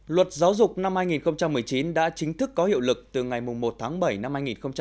luật giáo dục năm hai nghìn một mươi chín đã chính thức có hiệu lực từ ngày một tháng bảy năm hai nghìn hai mươi